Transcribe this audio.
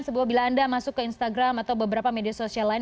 sebuah bila anda masuk ke instagram atau beberapa media sosial lain